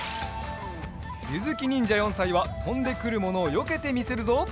ゆずきにんじゃ４さいはとんでくるものをよけてみせるぞ。